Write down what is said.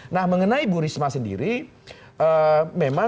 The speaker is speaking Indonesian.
nah mengenai bu risma sendiri memang